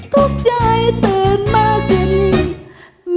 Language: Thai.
ทุกข์ใจตื่นมาจินมือ